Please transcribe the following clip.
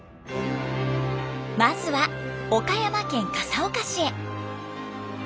まずは岡山県笠岡市へ。